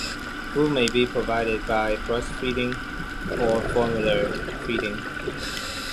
Food may be provided by breastfeeding or formula feeding.